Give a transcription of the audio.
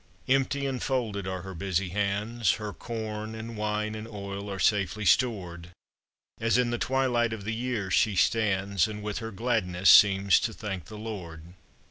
Empty and folded are her busy hands; Her corn and wine and oil are safely stored, As in the twilight of the year she stands, And with her gladness seems to thank the Lord.